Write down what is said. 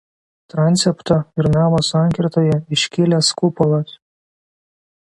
Transepto ir navos sankirtoje iškilęs kupolas.